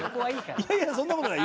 いやいやそんな事ない。